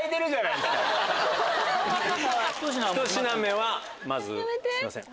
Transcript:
１品目はまずすいません